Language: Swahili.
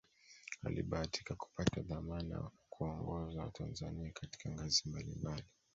Alibahatika kupata dhamana ya kuwaongoza watanzania katika ngazi mbali mbali